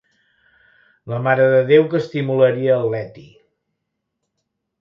La marededéu que estimularia el Ieti.